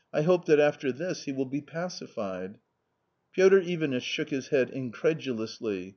" I hope that after this he will be pacified." Piotr Ivanitch shook his head incredulously.